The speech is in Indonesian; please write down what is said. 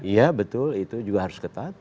iya betul itu juga harus ketat